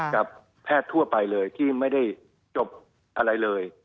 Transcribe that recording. กับแพทย์ทั่วไปเลยที่ไม่ได้จบอะไรเลย